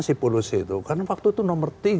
sih polusi itu karena waktu itu nomor